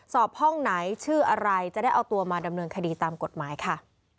สอบห้องไหนชื่ออะไรจะได้เอาตัวมาดำเนินคดีตามกฎหมายค่ะ